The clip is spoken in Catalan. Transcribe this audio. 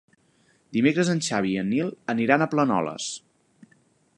Dimecres en Xavi i en Nil aniran a Planoles.